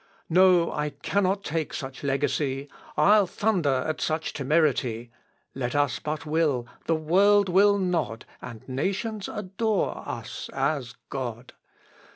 No, I cannot take such legacy, I'll thunder at such temerity; Let us but will the world will nod, And nations adore us as God.